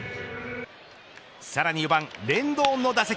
さらに４番レンドーンの打席。